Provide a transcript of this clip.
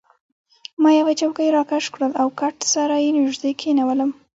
ما یوه چوکۍ راکش کړل او کټ سره يې نژدې کښېښوول.